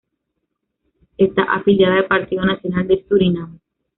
Está afiliada al Partido Nacional de Surinam.